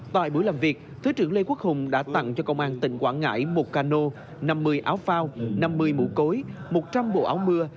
tại buổi làm việc thứ trưởng lê quốc hùng đã tặng cho công an tỉnh quảng ngãi một cano năm mươi áo phao năm mươi mũ cối một trăm linh bộ áo mưa